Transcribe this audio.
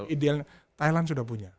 idealnya thailand sudah punya